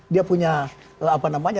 dia punya apa namanya